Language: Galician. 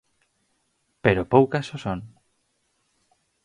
Pero poucas o son.